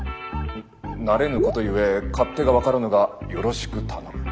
慣れぬことゆえ勝手が分からぬがよろしく頼む。